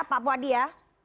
pak puadi ya